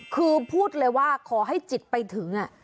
คือพูดเลยว่าขอให้จิตไปถึง